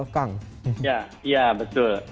ya ya betul